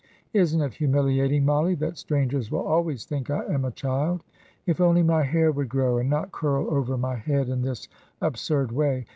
Isn't it humiliating, Mollie, that strangers will always think I am a child? If only my hair would grow and not curl over my head in this absurd way.